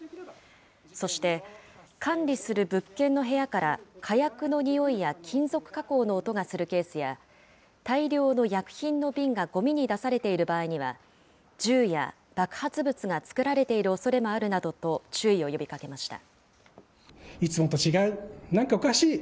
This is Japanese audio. そして、管理する物件の部屋から火薬の臭いや金属加工の音がするケースや、大量の薬品の瓶がごみに出されている場合には、銃や爆発物が作られているおそれもあるなどと注意を呼びかけました。